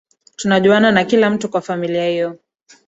Tunajuana na kila mtu kwa familia hiyo